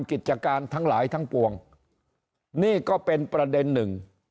กิจการทั้งหลายทั้งปวงนี่ก็เป็นประเด็นหนึ่ง